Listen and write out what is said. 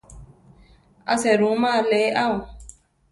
A serúma alé ao.